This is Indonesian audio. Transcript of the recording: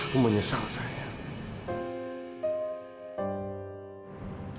aku menyesal sayang